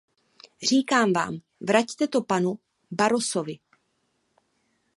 Říkám vám, vraťte to panu Barrosovi.